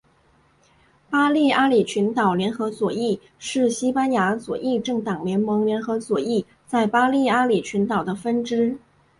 巴利阿里群岛联合左翼是西班牙左翼政党联盟联合左翼在巴利阿里群岛的分支。